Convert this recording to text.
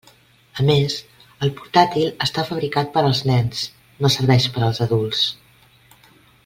A més, el portàtil està fabricat per als nens, no serveix per als adults.